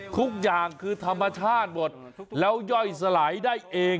ทุกอย่างคือธรรมชาติหมดแล้วย่อยสลายได้เอง